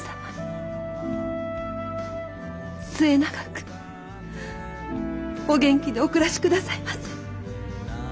末永くお元気でお暮らし下さいませ。